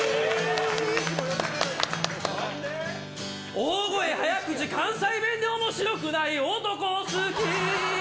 大声早口、関西弁でおもしろくない男、好き。